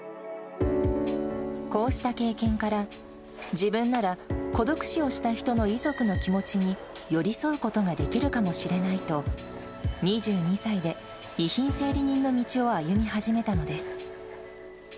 こうした経験から、自分なら孤独死をした人の遺族の気持ちに寄り添うことができるかもしれないと、２２歳で遺品整理人の道を歩み始めたのです。